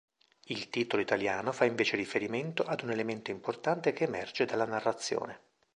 Il titolo italiano fa invece riferimento ad un elemento importante che emerge dalla narrazione.